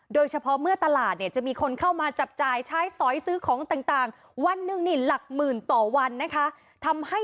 โดยเฉพาะเมื่อตลาดจะมีคนเข้ามาจับจ่ายใช้สอยซื้อของต่างว่านึกนิลหลักหมื่นการ์บต่อวัน